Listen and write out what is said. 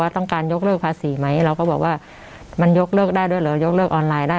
ต้องการยกเลิกภาษีไหมเราก็บอกว่ามันยกเลิกได้ด้วยเหรอยกเลิกออนไลน์ได้